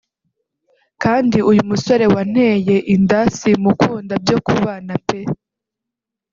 kandi uyu musore wanteye inda simukunda byo kubana pe